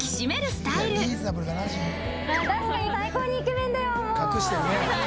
確かに最高にイケメンだよ